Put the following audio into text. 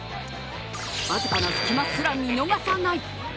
僅かな隙間すら見逃さない！